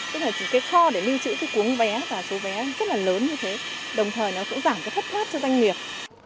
tức là chỉ cái kho để lưu trữ cái cuốn vé và số vé rất là lớn như thế đồng thời nó cũng giảm cái thất thoát cho doanh nghiệp